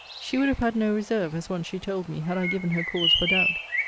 She would have had no reserve, as once she told me, had I given her cause of doubt.